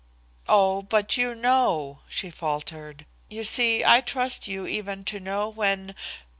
"Oh, but you know!" she faltered. "You see, I trust you even to know when